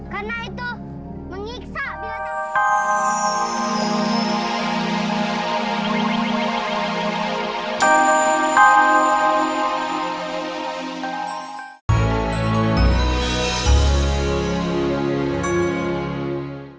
karena itu mengiksa biotek